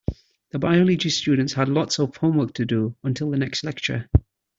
The biology students had lots of homework to do until the next lecture.